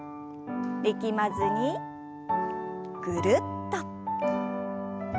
力まずにぐるっと。